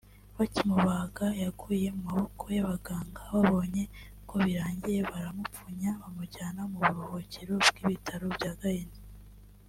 Bakimubaga yaguye mu maboko y’abaganga babonye ko birangiye baramupyunya bamujyana mu buruhukiro bw’ibitaro bya Gahini